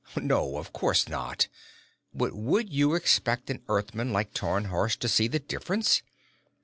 "No; of course not. But would you expect an Earthman like Tarnhorst to see the difference?